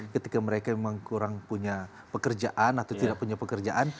ketika mereka memang kurang punya pekerjaan atau tidak punya pekerjaan